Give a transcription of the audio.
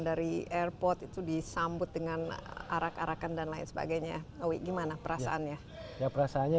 dari airport itu disambut dengan arak arakan dan lain sebagainya owi gimana perasaannya ya perasaannya